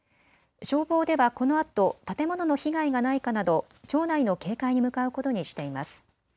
消防ではこのあと建物の被害がないかなど町内の警戒に向かうことにしています。